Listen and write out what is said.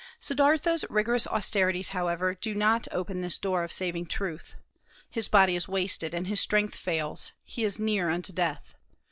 Siddârtha's rigorous austerities, however, do not open this door of saving truth. His body is wasted, and his strength fails; he is near unto death.